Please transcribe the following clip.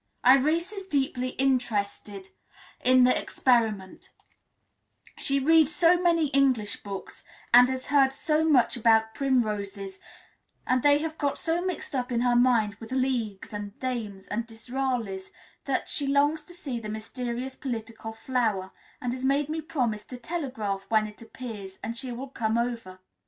Irais is deeply interested in the experiment; she reads so many English books, and has heard so much about primroses, and they have got so mixed up in her mind with leagues, and dames, and Disraelis, that she longs to see this mysterious political flower, and has made me promise to telegraph when it appears, and she will come over.